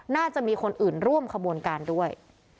น่าจะมีคนอื่นร่วมขบวนการด้วย